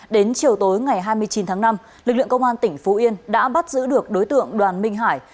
đến chiều tối ngày hai mươi chín tháng năm lực lượng công an tỉnh phú yên đã bắt giữ được đối tượng đoàn minh hải